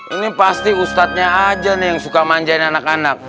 ini pasti ustadznya aja nih yang suka manjain anak anak